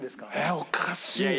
おかしい！